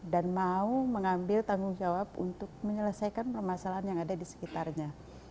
dan mau mengambil tanggung jawab untuk menyelesaikan permasalahan yang ada di sekitarnya